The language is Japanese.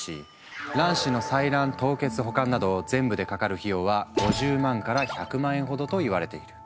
卵子の採卵凍結保管など全部でかかる費用は５０万から１００万円ほどといわれている。